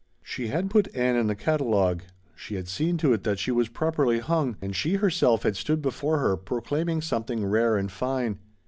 She had put Ann in the catalogue; she had seen to it that she was properly hung, and she herself had stood before her proclaiming something rare and fine.